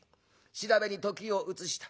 調べに時を移した。